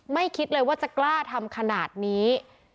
คิดเลยว่าจะกล้าทำขนาดนี้